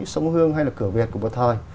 sông hương hay là cửa việt của một thời